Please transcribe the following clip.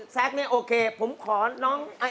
แซ็กเนี่ยโอเคผมขอน้อง